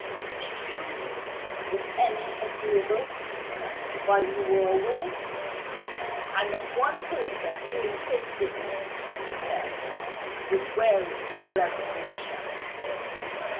Did you meet with any agreeable people, while you were away?" "I met one person who interested me," he said, with weary resignation.